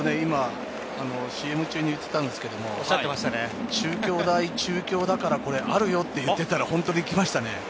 ＣＭ中に言っていたんですけれど、中京大中京だからあるよと言っていたら本当に来ましたね。